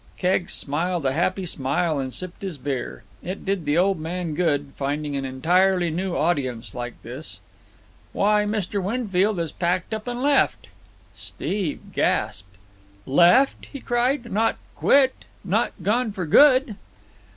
Keggs smiled a happy smile and sipped his beer. It did the old man good, finding an entirely new audience like this. "Why, Mr. Winfield 'as packed up and left." Steve gasped. "Left!" he cried. "Not quit? Not gone for good?"